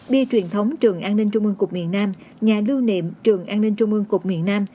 bia truyền thống trường an ninh trung ương cục miền nam nhà lưu niệm trường an ninh trung ương cục miền nam